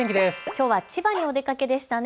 きょうは千葉にお出かけでしたね。